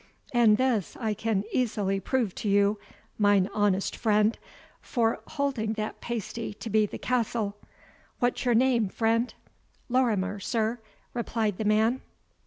And this I can easily prove to you, mine honest friend; for, holding that pasty to be the castle What's your name, friend?" "Lorimer, sir," replied the man.